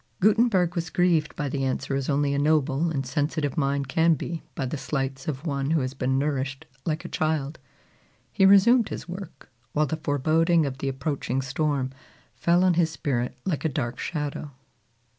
Gutenberg was grieved by the answer as only a noble and sensitive mind can be by the slights of one who has been nourished like a child. He resumed his work, while the foreboding of the approaching storm fell on his spirit like a dark shadow.